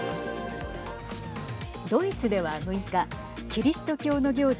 ドイツでは６日キリスト教の行事